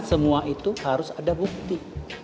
semua itu harus ada bukti